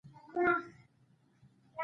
ښار کې اوس هم ډېر شامي او فلسطیني خلک شته.